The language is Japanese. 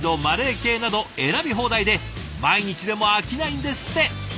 マレー系など選び放題で毎日でも飽きないんですって。